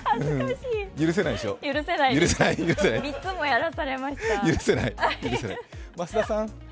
３つもやらされました。